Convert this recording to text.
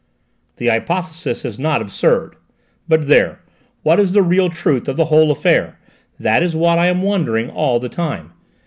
"The hypothesis is not absurd! But there! What is the real truth of the whole affair? That is what I am wondering all the time.